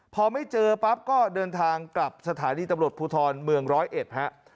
พอไม่เจอปั๊บก็เดินทางกลับสถานีตำรวจภูทรเมืองร้อยเอ็ดฮะ